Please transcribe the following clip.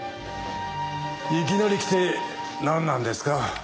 いきなり来てなんなんですか？